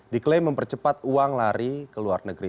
diklaim mempercepat uang lari ke luar negeri